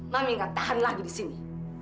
mami nggak tahan lagi di sini